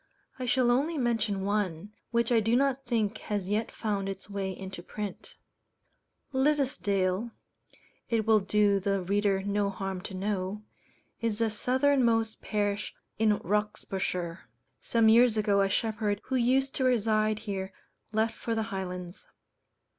I shall only mention one, which I do not think has yet found its way into print. (See Note C, Addenda.) Liddesdale, it will do the reader no harm to know, is the southernmost parish in Roxburghshire. Some years ago a shepherd who used to reside here left for the Highlands.